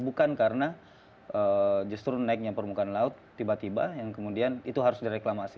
bukan karena justru naiknya permukaan laut tiba tiba yang kemudian itu harus direklamasi